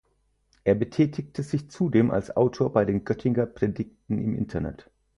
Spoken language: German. Er betätigte sich zudem als Autor bei den Göttinger Predigten im Internet.